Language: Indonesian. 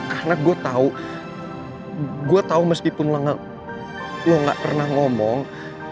karena gue tahu gue tahu meskipun lo gak pernah ngomong